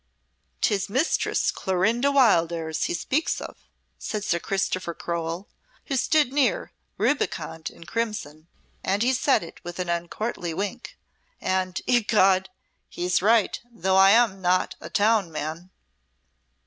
"'Tis Mistress Clorinda Wildairs he speaks of," said Sir Christopher Crowell, who stood near, rubicund in crimson, and he said it with an uncourtly wink; "and, ecod! he's right though I am not 'a town man.'"